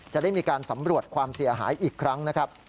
จะได้มีการสำรวจความเสียหายอีกครั้งนะครับ